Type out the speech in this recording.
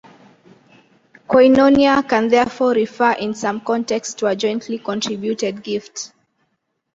"Koinonia" can therefore refer in some contexts to a jointly contributed gift.